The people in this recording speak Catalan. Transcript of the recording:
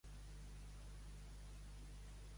Fustes que et fan assemblar-te a l'Obèlix.